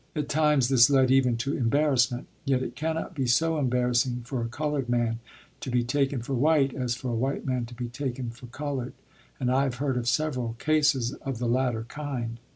At times this led even to embarrassment. Yet it cannot be so embarrassing for a colored man to be taken for white as for a white man to be taken for colored; and I have heard of several cases of the latter kind.